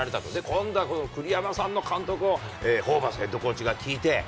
今度は、栗山さんの監督を、ホーバスヘッドコーチが聞いて。